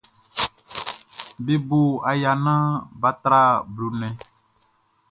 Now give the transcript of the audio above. Be bo aya naan bʼa tra blo nnɛn.